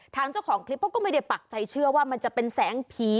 เจ้าของคลิปเขาก็ไม่ได้ปักใจเชื่อว่ามันจะเป็นแสงผี